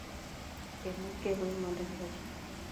kenetkei ko imanda nopo chitukul